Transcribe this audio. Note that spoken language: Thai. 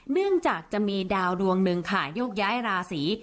เนื่องจากจะมีดาวดวงหนึ่งค่ะโยกย้ายราศี